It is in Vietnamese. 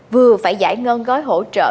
vừa phải giải ngân gói hỗ trợ